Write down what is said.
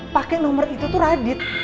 pakai nomor itu tuh radit